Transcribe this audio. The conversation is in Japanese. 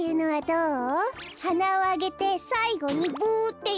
はなをあげてさいごにブっていうの。